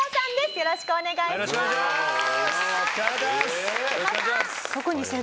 よろしくお願いします。